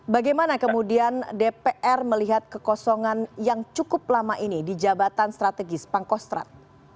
bagaimana kemudian dpr melihat kekosongan yang cukup lama ini di jabatan strategis pangkostrat